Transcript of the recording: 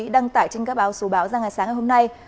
đăng tải trên các báo số báo ra ngày sáng ngày hôm nay